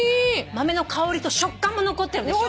豆の香りと食感も残ってるでしょ。